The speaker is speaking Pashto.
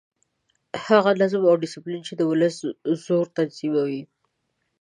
هغه نظم او ډسپلین چې د ولس زور تنظیموي.